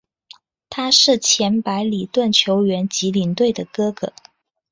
他是前白礼顿球员及领队的哥哥。